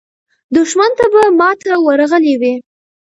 دښمن ته به ماته ورغلې وه.